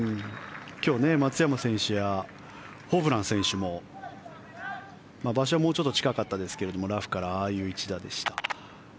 今日、松山選手やホブラン選手も場所はもうちょっと近かったですがラフからああいう一打でした。